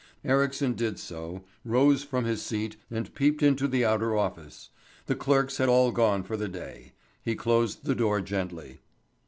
Ericsson did so, rose from his seat and peeped into the outer office; the clerks had all gone for the day. He closed the door gently.